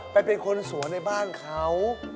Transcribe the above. แต่เป็นคนสวนในบ้านเค้า